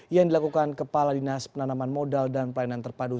yang dilakukan kepala dinas penanaman modal dan pelayanan terpadu